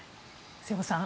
瀬尾さん